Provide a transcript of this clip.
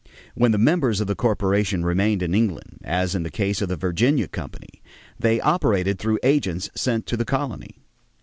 When the members of the corporation remained in England, as in the case of the Virginia Company, they operated through agents sent to the colony.